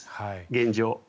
現状。